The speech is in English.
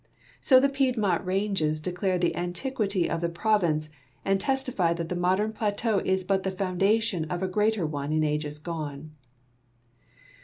So the Piedmont ranges declare the antiquit}'' of the province, and testify that the modern plateau is but the founda tion of a greater one in ages gone.